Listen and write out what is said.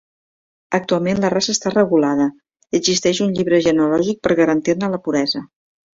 Actualment la raça està regulada i existeix un llibre genealògic per garantir-ne la puresa.